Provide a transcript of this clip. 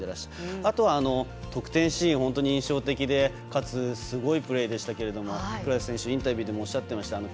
あと得点シーンは本当に印象的でかつ、すごいプレーでしたけど黒田選手、インタビューでもおっしゃってました